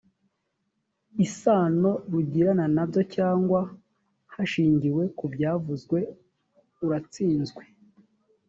isano rugirana na byo cyangwa hashingiwe ku byavuzwe uratsinzwe